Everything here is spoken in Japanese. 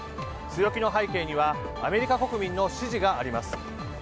強気の背景にはアメリカ国民の支持があります。